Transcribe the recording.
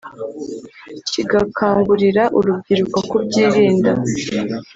kigakangurira urubyiruko kubyirinda